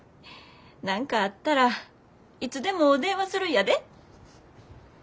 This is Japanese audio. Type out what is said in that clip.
何かあったらいつでも電話するんやで。